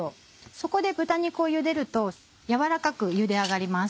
そこで豚肉をゆでると軟らかくゆで上がります。